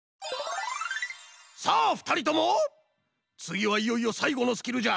さあふたりともつぎはいよいよさいごのスキルじゃ。